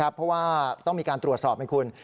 เพราะว่าต้องมีการตรวจสอบให้คุณ